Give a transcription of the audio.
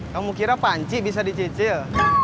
kamu kira panci bisa dicicil